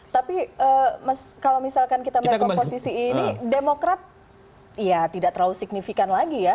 tapi kalau misalkan kita melihat komposisi ini demokrat ya tidak terlalu signifikan lagi ya